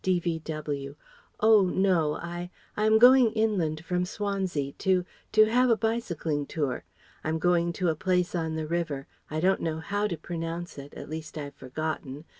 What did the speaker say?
D.V.W.: "Oh no I I am going inland from Swansea to to have a bicycling tour. I'm going to a place on the river I don't know how to pronounce it at least I've forgotten.